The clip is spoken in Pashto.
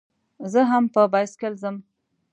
زه هم په بایسکل ځم.